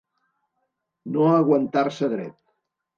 No aguantar-se dret.